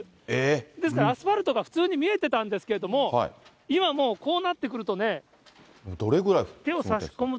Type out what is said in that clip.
ですからアスファルトが普通に見えてたんですけれども、今、もうこうなってくるとね。